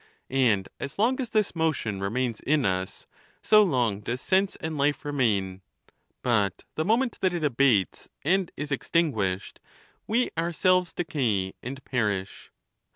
And as long as this motion remains in us, so long does sense and life remain ; but the moment that it abates and is extinguished, we ourselves decay and perish.